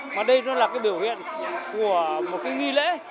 mà đây nó là cái biểu hiện của một cái nghi lễ